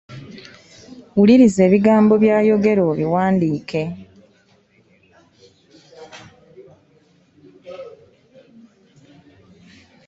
Wuliriza ebigambo by'ayogera obiwandiike.